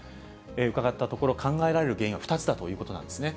伺ったところ、考えられる原因は２つだということなんですね。